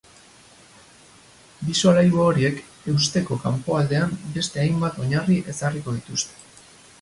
Bi solairu horiek eusteko kanpoaldean beste hainbat oinarri ezarriko dituzte.